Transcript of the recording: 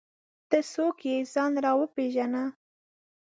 ته څوک یې ؟ ځان راوپېژنه!